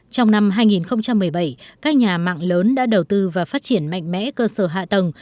trong năm hai nghìn một mươi bảy các nhà mạng lớn đã đầu tư và phát triển mạnh mẽ cơ sở hạ tầng